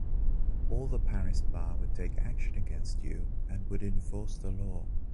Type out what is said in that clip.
All the Paris bar would take action against you and would enforce the law!